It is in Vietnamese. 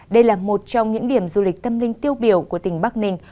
đây là một trong những điểm du lịch tâm linh tiêu biểu của tỉnh bắc ninh